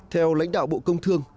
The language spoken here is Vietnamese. theo lãnh đạo bộ công thương